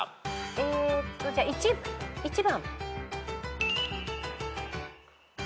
えーっとじゃあ１番。